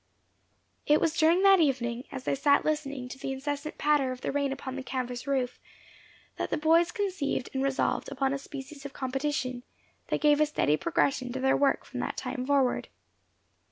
It was during that evening, as they sat listening to the incessant patter of the rain upon the canvas roof, that the boys conceived and resolved upon a species of competition, that gave a steady progression to their work from that time forward.